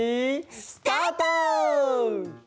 スタート！